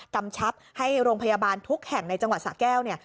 กำชับให้โรงพยาบาลทุกแห่งในจังหวัดสะแก้ว